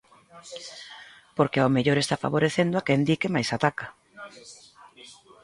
Porque ao mellor está favorecendo a quen di que máis ataca.